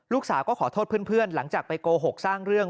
ลูกสาวก็ขอโทษเพื่อนหลังจากไปโกหกสร้างเรื่อง